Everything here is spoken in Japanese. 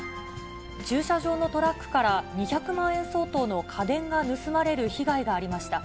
駐車場のトラックから、２００万円相当の家電が盗まれる被害がありました。